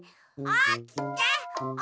おきて！